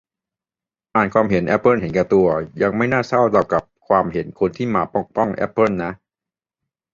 อ่านความเห็นแอปเปิลเห็นแก่ตัว ยังไม่น่าเศร้าเท่ากับความเห็นคนที่มาปกป้องแอปเปิลนะ